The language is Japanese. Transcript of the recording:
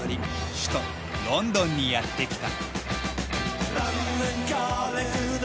首都ロンドンにやって来た。